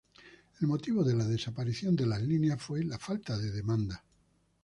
El motivo de la desaparición de las líneas fue la falta de demanda.